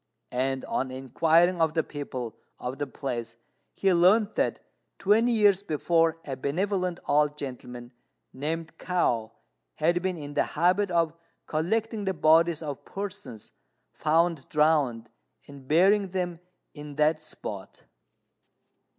And, on inquiring of the people of the place, he learnt that twenty years before a benevolent old gentleman, named Kao, had been in the habit of collecting the bodies of persons found drowned, and burying them in that spot.